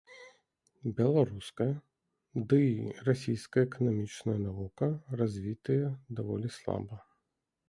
Беларуская, дый расійская эканамічная навука развітыя даволі слаба.